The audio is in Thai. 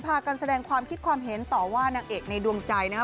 พากันแสดงความคิดความเห็นต่อว่านางเอกในดวงใจนะครับ